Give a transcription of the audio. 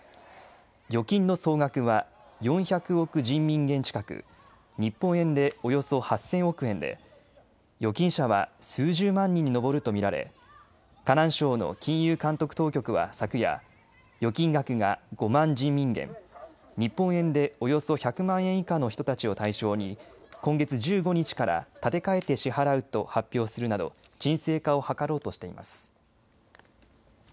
預金の総額は４００億人民元近く日本円でおよそ８０００億円で預金者は数十万人に上ると見られ河南省の金融監督当局は昨夜、預金額が５万人民元、日本円でおよそ１００万円以下の人たちを対象に今月１５日から立て替えて支払うと発表するなど鎮静化を図ろうとしています。